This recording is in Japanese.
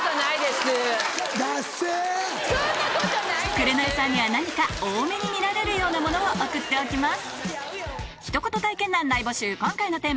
紅さんには何か大目に見られるようなものを送っておきます